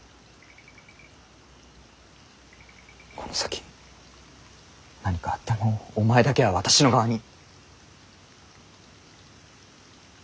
この先何かあってもお前だけは私の側に。